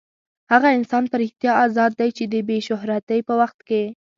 هغه انسان په رښتیا ازاد دی چې د بې شهرتۍ په وخت کې.